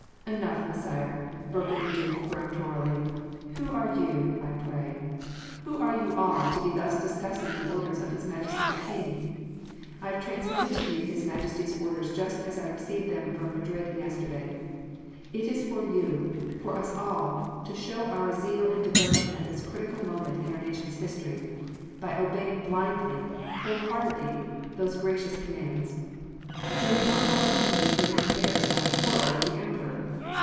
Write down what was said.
"Enough, Messire," broke in the Duke peremptorily, "who are you, I pray, who are you all to be thus discussing the orders of His Majesty the King? I have transmitted to you His Majesty’s orders just as I received them from Madrid yesterday. It is for you for us all to show our zeal and devotion at this critical moment in our nation’s history, by obeying blindly, whole heartedly, those gracious commands. Do we want our King to be further embarrassed by a quarrel with the Emperor?